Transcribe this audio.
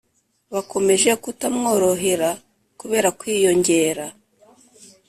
bakomeje kutamworohera kubera kwiyongera